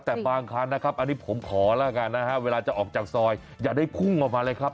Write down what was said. แต่บางครั้งนะครับอันนี้ผมขอแล้วกันนะฮะเวลาจะออกจากซอยอย่าได้พุ่งออกมาเลยครับ